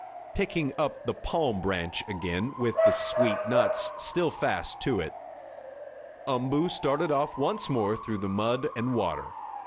Picking up the palm branch again, with the sweet nuts still fast to it, Umboo started off once more through the mud and water.